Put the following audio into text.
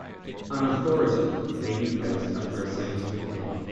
An "authority" may be placed after a scientific name.